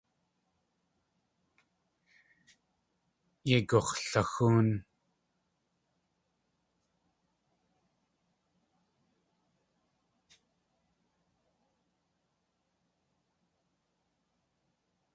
Yei gux̲laxóon.